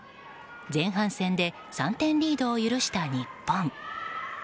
前半戦で３点リードを許した日本。